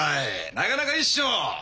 なかなかいいっしょ。